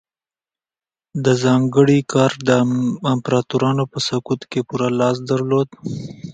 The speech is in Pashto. دا ځانګړی ګارډ د امپراتورانو په سقوط کې پوره لاس درلود